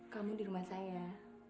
kamu di rumah saya